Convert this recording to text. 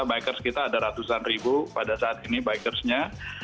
bikers kita ada ratusan ribu pada saat ini bikersnya